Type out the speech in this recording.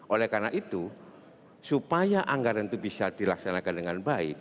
oleh karena itu supaya anggaran itu bisa dilaksanakan dengan baik